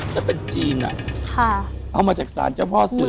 แล้วเป็นจีนเอามาจากศาลเจ้าพ่อเสือ